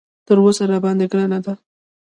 تر اوسه راباندې ګرانه ده.